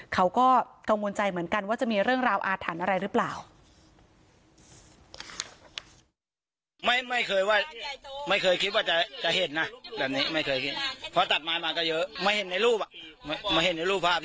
เขาก็กังวลใจเหมือนกันว่าจะมีเรื่องราวอาถรรพ์อะไรหรือเปล่า